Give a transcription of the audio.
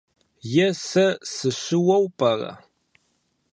Е сэ сыщыуэу пӏэрэ?